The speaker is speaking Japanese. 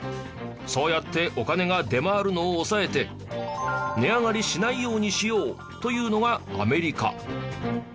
そうやってお金が出回るのを抑えて値上がりしないようにしようというのがアメリカ。